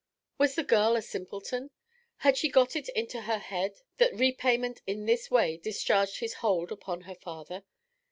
Was the girl a simpleton? Had she got it into her head that repayment in this way discharged his hold upon her father?